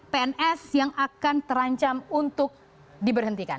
pns yang akan terancam untuk diberhentikan